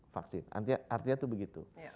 vaksin artinya tuh begitu